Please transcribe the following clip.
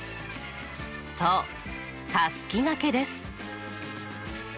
そうたすきがけです。